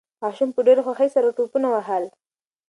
ماشوم په ډېرې خوښۍ سره ټوپونه وهل.